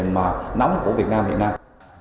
mà nóng của việt nam hiện nay